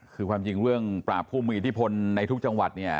คือความจริงเรื่องปราบผู้มีอิทธิพลในทุกจังหวัดเนี่ย